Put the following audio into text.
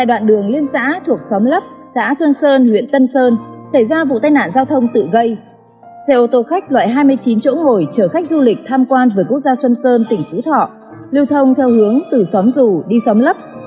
điều thông theo hướng từ xóm rủ đi xóm lấp